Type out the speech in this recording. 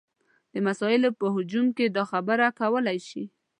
د مسایلو په هجوم کې دا خبره کولی شي.